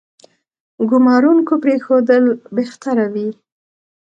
ګومارونکو پرېښودل بهتره وي.